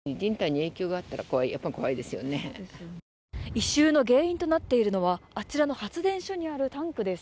異臭の原因となっているのはあちらの発電所にあるタンクです。